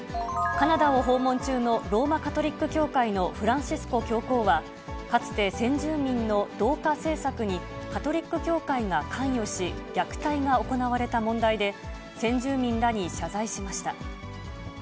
カナダを訪問中の、ローマ・カトリック教会のフランシスコ教皇は、かつて先住民の同化政策にカトリック教会が関与し、虐待が行われた問題で、先住民らに謝罪しました。